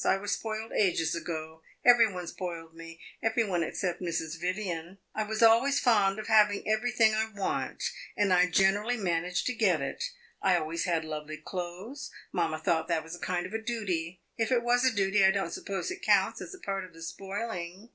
I was spoiled ages ago; every one spoiled me every one except Mrs. Vivian. I was always fond of having everything I want, and I generally managed to get it. I always had lovely clothes; mamma thought that was a kind of a duty. If it was a duty, I don't suppose it counts as a part of the spoiling.